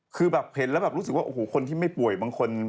คือแบบเห็นแล้วแบบรู้สึกว่าโอ้โหคนที่ไม่ป่วยบางคน